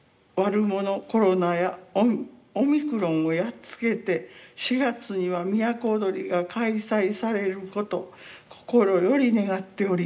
コロナやオミクロンをやっつけて４月には都をどりが開催されること心より願っております。